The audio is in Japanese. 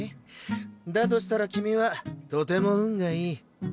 だとしたら君はとても運がいい。